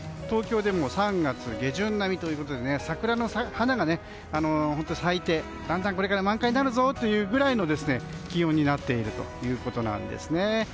東京でも３月下旬並みということで桜の花が咲いてだんだんこれから満開になるぞというくらいの気温になっているということです。